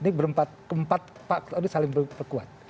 ini keempat saling berkuat